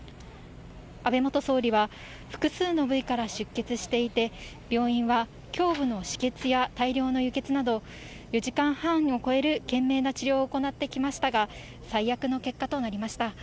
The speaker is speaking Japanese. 安倍元総理は、複数の部位から出血していて、病院は、胸部の止血や大量の輸血など、４時間半を超える懸命な治療を行ってきましたが、最悪の結果となりました。